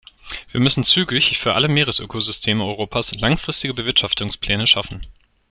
Wir müssen zügig für alle Meeresökosysteme Europas langfristige Bewirtschaftsungspläne schaffen.